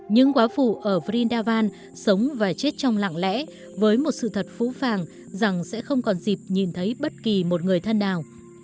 những quá phụ ở vrindavan sống và chết trong lặng lẽ với một sự thật phũ phàng rằng sẽ không còn dịp nhìn thấy bất kỳ một người thân nào